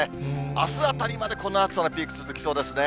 あすあたりまでこのピーク続きそうですね。